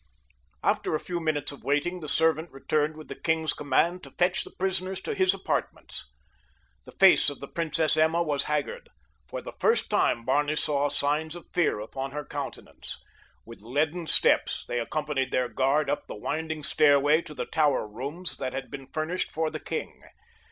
After a few minutes of waiting the servant returned with the king's command to fetch the prisoners to his apartments. The face of the Princess Emma was haggard. For the first time Barney saw signs of fear upon her countenance. With leaden steps they accompanied their guard up the winding stairway to the tower rooms that had been furnished for the king.